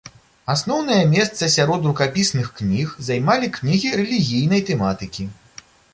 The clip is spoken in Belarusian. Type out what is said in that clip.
Асноўнае месца сярод рукапісных кніг займалі кнігі рэлігійнай тэматыкі.